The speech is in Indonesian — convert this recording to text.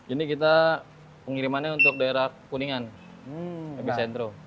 ini kita pengirimannya untuk daerah kuningan lebih sentro